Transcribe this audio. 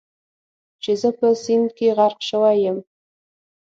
چې زه په سیند کې غرق شوی یم.